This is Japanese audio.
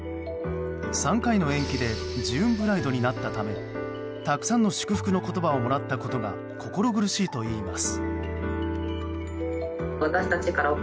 ３回の延期でジューンブライドとなったためたくさんの祝福の言葉をもらったことが心苦しいといいます。